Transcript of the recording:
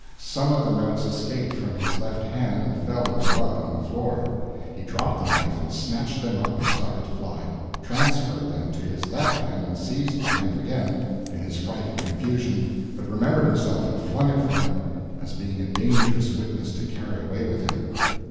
Some of the notes escaped from his left hand and fell in the blood on the floor. He dropped the knife and snatched them up and started to fly; transferred them to his left hand, and seized the knife again, in his fright and confusion, but remembered himself and flung it from him, as being a dangerous witness to carry away with him.